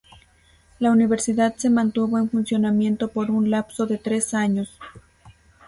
La Universidad se mantuvo en funcionamiento por un lapso de tres años.